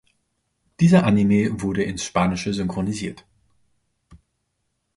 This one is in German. Dieser Anime wurde ins Spanische synchronisiert.